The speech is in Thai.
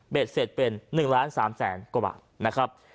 เบ็ดเสร็จเป็น๑๓๐๐๐๐๐กว่าบาท